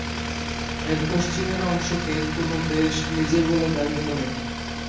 এর পশ্চিমের অংশকে কোন দেশ নিজের বলে দাবি করেনি।